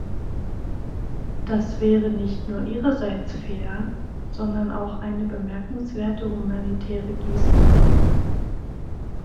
Das wäre nicht nur Ihrerseits fair, sondern auch eine bemerkenswerte humanitäre Geste.